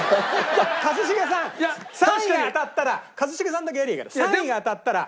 一茂さん３位が当たったら一茂さんだけやればいいから。